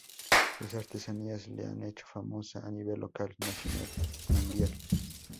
Sus artesanías le han hecho famosa a nivel local, nacional y mundial.